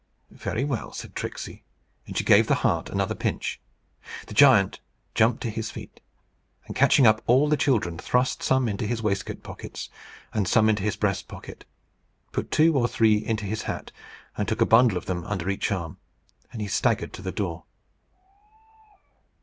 "Very well!" said Tricksey; and she gave the heart another pinch. The giant jumped to his feet, and catching up all the children, thrust some into his waistcoat pockets, some into his breast pocket, put two or three into his hat, and took a bundle of them under each arm. Then he staggered to the door.